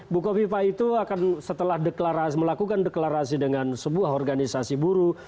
buko viva itu akan setelah melakukan deklarasi dengan sebuah organisasi buruh